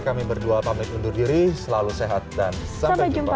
kami berdua pamit undur diri selalu sehat dan sampai jumpa